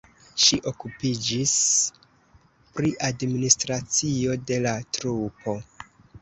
Ŝi okupiĝis pri administracio de la trupo.